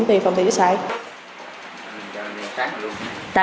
về phòng trái trái trái